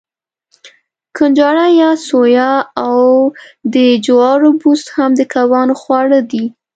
کنجاړه یا سویا او د جوارو بوس هم د کبانو خواړه دي.